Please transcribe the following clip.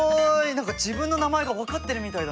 何か自分の名前が分かってるみたいだね。